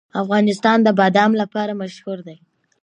افغانستان د بادام لپاره مشهور دی.